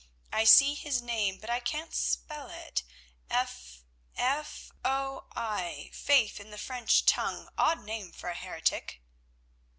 I see his name, but I can't spell it. F—F—o—i, faith in the French tongue, odd name for a heretic."